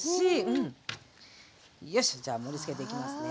よいしょじゃあ盛りつけていきますね。